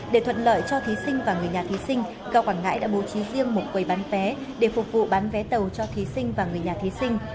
để thuận lợi cho thí sinh và người nhà thí sinh cao quảng ngãi đã bố trí riêng một quầy bán vé để phục vụ bán vé tàu cho thí sinh và người nhà thí sinh